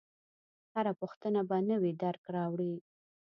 هره پوښتنه یو نوی درک راوړي.